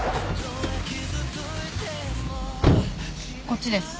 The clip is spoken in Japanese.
こっちです。